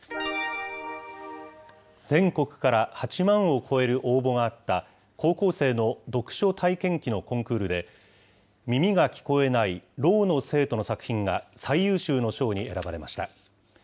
全国から８万を超える応募があった、高校生の読書体験記のコンクールで、耳が聞こえない聾の生徒の作品が最優秀の賞に選ばれました。